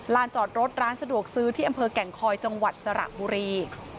จอดรถร้านสะดวกซื้อที่อำเภอแก่งคอยจังหวัดสระบุรี